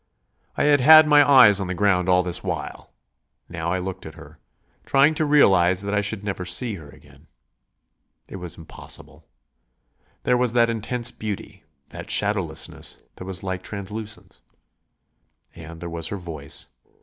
I had had my eyes on the ground all this while; now I looked at her, trying to realise that I should never see her again. It was impossible. There was that intense beauty, that shadowlessness that was like translucence. And there was her voice.